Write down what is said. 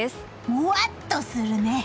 むわっとするね。